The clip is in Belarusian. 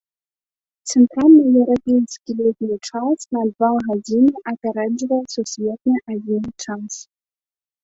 Цэнтральнаеўрапейскі летні час на два гадзіны апярэджвае сусветны адзіны час.